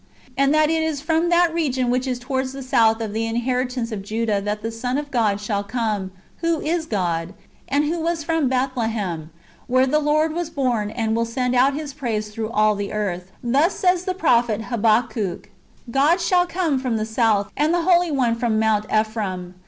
*'^ And that it is from that region which is towards the south of the inheritance of Judah that the Son of God shall come, who is God, and who was from Beth lehem, where the Lord was born, [and] will send out His praise through all the earth, thus^ says the prophet Habakkuk: " God shall come from the south, and the Holy One from Mount Effrem.